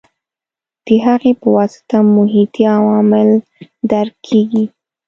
د هغې په واسطه محیطي عوامل درک کېږي.